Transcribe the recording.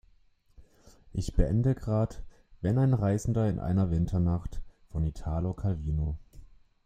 Ich beende grad "Wenn ein Reisender in einer Winternacht" von Italo Calvino.